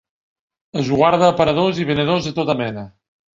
Esguarda aparadors i venedores de tota mena.